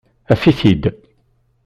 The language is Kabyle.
Af-it-id.